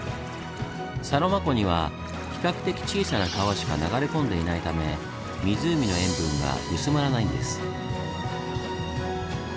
サロマ湖には比較的小さな川しか流れ込んでいないため湖の塩分が薄まらないんです。